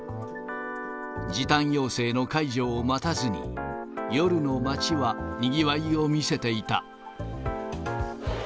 時短要請の解除を待たずに、夜の街はにぎわいを見せていた。